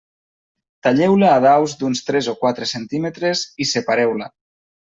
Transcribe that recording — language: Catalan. Talleu-la a daus d'uns tres o quatre centímetres i separeu-la.